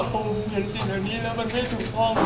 ผมเห็นสิ่งแบบนี้แล้วมันไม่ถูกพอ